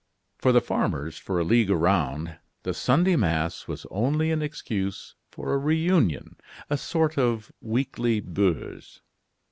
For the farmers for a league around, the Sunday mass was only an excuse for a reunion, a sort of weekly bourse.